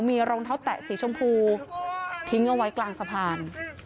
มีรองเท้าแตะสีชมพูทิ้งเอาไว้กลางสะพาน